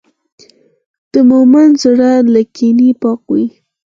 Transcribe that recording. د مؤمن زړه له کینې پاک وي.